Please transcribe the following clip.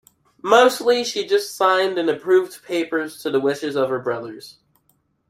Mostly she just signed and approved papers to the wishes of her brothers.